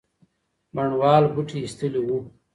بڼوال بوټي ایستلي وو.